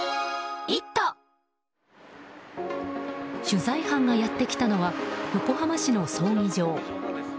取材班がやってきたのは横浜市の葬儀場。